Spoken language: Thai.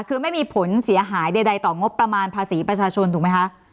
คือไม่มีผลเสียหายใดต่องบประมาณภาษีประชาชนถูกไหมคะ